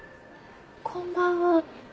こんばんは。